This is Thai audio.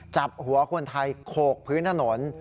จับหัวคนไทยโขกพื้นถนน